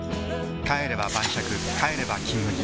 帰れば晩酌帰れば「金麦」